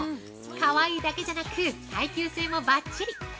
かわいいだけじゃなく耐久性もばっちり！